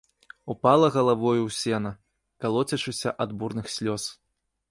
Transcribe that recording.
Упала галавою ў сена, калоцячыся ад бурных слёз.